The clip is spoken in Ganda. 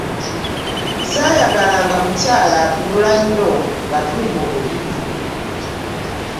Ssaayagalanga mukyala atunula nnyo nga tuli mu buliri.